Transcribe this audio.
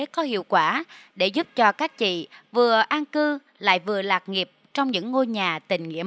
có hiệu quả để giúp cho các chị vừa an cư lại vừa lạc nghiệp trong những ngôi nhà tình nghĩa